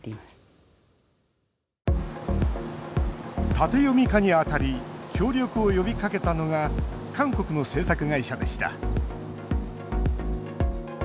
縦読み化にあたり協力を呼びかけたのが韓国の制作会社でした。